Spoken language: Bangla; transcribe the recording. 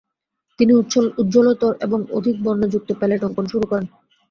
তিনি উজ্জ্বলতর এবং অধিক বর্ণযুক্ত প্যালেট অঙ্কন শুরু করেন।